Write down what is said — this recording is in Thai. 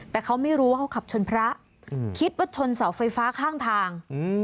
แต่เขาไม่รู้ว่าเขาขับชนพระคิดว่าชนเสาไฟฟ้าข้างทาง